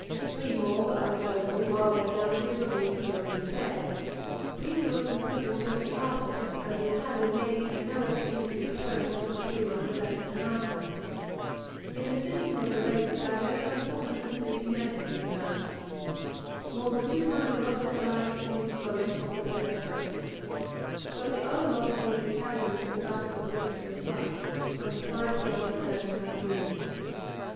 Three more were unavailable while their damages were being slowly repaired. Peace was concluded shortly after, and the Italian navy had no opportunity of showing what it could do under a better commander. In the sinking of the "Re d'Italia" some 450 men had been drowned. More than 200 lost their lives in the explosion of the "Palestra," but the other losses of the Italians in the Battle of Lissa were slight, only 5 killed and 39 wounded.